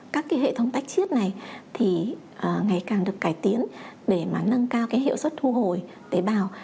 các cái hệ thống tách chiết này thì ngày càng được cải tiến để mà nâng cao cái hiệu suất thu hồi tế bào